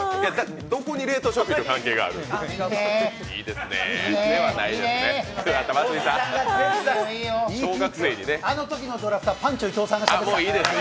どこに冷凍食品と関係あるんですか？